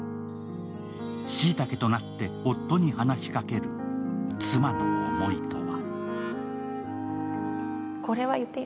椎茸となって夫に話しかける妻の思いとは。